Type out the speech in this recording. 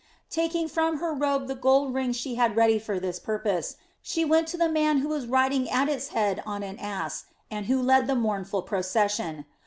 Taking from her robe the gold rings she had ready for this purpose, she went to the man who was riding at its head on an ass and who led the mournful procession.